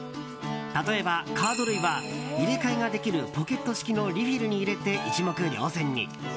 例えば、カード類は入れ替えができるポケット式のリフィルに入れて一目瞭然に。